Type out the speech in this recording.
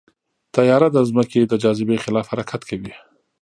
طیاره د ځمکې د جاذبې خلاف حرکت کوي.